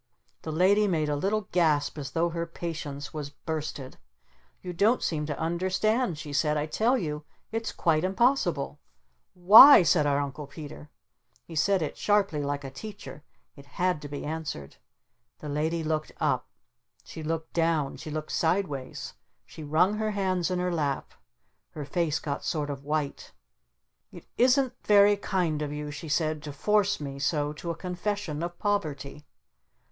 The Lady made a little gasp as though her Patience was bursted. "You don't seem to understand," she said. "I tell you it's quite impossible!" "W H Y?" said our Uncle Peter. He said it sharply like a Teacher. It HAD to be answered. The Lady looked up. She looked down. She looked sideways. She wrung her hands in her lap. Her face got sort of white. "It isn't very kind of you," she said, "to force me so to a confession of poverty."